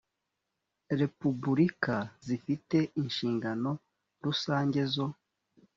repubulika zifite inshingano rusange zo